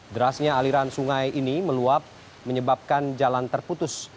derasnya aliran sungai ini meluap menyebabkan jalan terputus